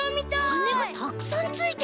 はねがたくさんついてる。